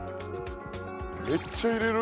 めっちゃ入れる。